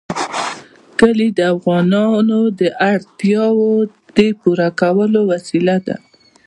کلي د افغانانو د اړتیاوو د پوره کولو وسیله ده.